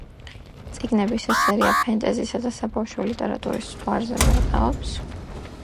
წიგნების ეს სერია ფენტეზისა და საბავშვო ლიტერატურის ზღვარზე მერყეობს.